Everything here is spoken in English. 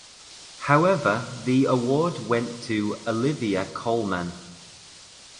However the award went to Olivia Colman.